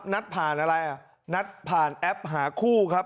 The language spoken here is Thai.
นัดผ่านอะไรอ่ะนัดผ่านแอปหาคู่ครับ